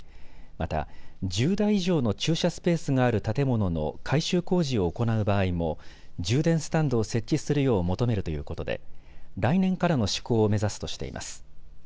また１０台以上の駐車スペースがある建物の改修工事を行う場合も充電スタンドを設置するよう求めるということで来年からの施行を目指すとしています。